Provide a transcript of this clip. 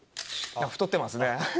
太ってますね。